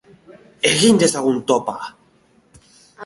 Egin dezagun topa!